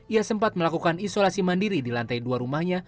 ia sempat melakukan isolasi mandiri di lantai dua rumahnya